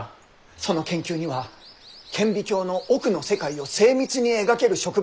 その研究には顕微鏡の奥の世界を精密に描ける植物画家が必要です。